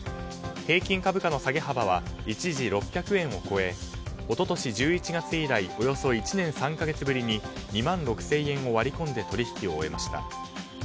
平均株価の下げ幅は一時６００円を超え一昨年１１月以来およそ１年３か月ぶりに２万６０００円を割り込んで取引を終えました。